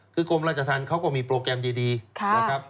คือกรมราชทันเขาก็มีโปรแกรมดีดีครับนะครับ